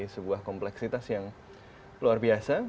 sebuah kompleksitas yang luar biasa